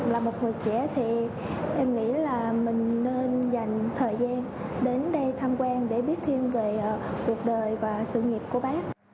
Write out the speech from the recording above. là một người trẻ thì em nghĩ là mình nên dành thời gian đến đây tham quan để biết thêm về cuộc đời và sự nghiệp của bác